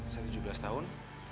saya tujuh belas tahun